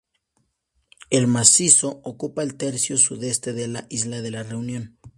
El macizo ocupa el tercio sudeste de la isla de la Reunión.